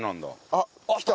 あっきた。